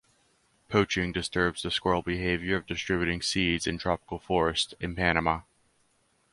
Poaching disturbs the squirrel behavior of distributing seeds in tropical forests in Panama.